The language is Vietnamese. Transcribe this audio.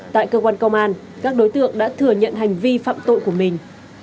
tại cơ quan công an các đối tượng đã thừa nhận hành vi phạm tội của mình